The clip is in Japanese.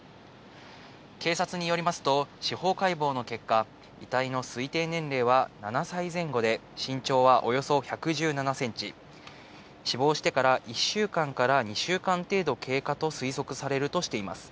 警察によりますと、司法解剖の結果、遺体の推定年齢は７歳前後で、身長はおよそ１１７センチ、死亡してから１週間から２週間程度経過と推測されるとしています。